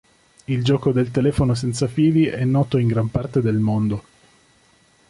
Il gioco del telefono senza fili è noto in gran parte del mondo.